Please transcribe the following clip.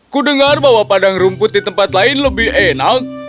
kudengar bahwa padang rumput di tempat lain lebih enak